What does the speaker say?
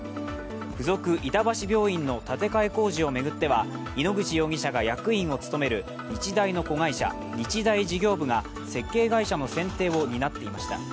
附属板橋病院の建て替え工事を巡っては井ノ口容疑者が役員を務める日大の子会社、日大事業部が設計会社の選定を担っていました。